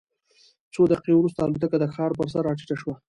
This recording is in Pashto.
څو دقیقې وروسته الوتکه د ښار پر سر راټیټه شوه.